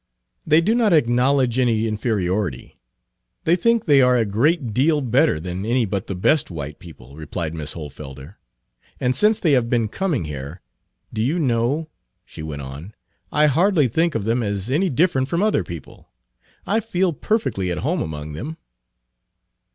They do not acknowledge any inferiority; they think they are a great deal Page 40 better than any but the best white people," replied Miss Hohlfelder. "And since they have been coming here, do you know," she went on, "I hardly think of them as any different from other people. I feel perfectly at home among them."